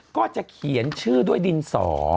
ก็จะเขียนชื่อด้วยดินสอ